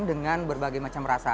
dengan berbagai macam rasa